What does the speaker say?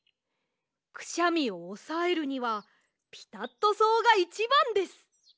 くしゃみをおさえるにはピタットそうがいちばんです。